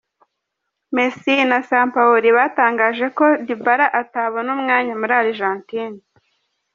Messi na Sampaoli batangaje ko Dybala atabona umwanya muri Argentina.